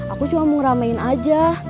aku cuma mau ngeramein aja